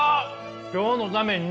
今日のために？